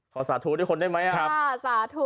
ขอสาธุที่คนได้มั้ยฮะ